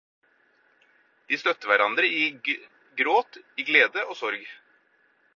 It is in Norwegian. De støttet hverandre i gråt, i glede og sorg.